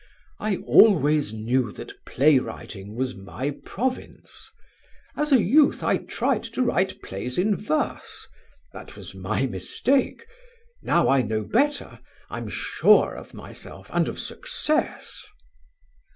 I always knew that play writing was my province. As a youth I tried to write plays in verse; that was my mistake. Now I know better; I'm sure of myself and of success."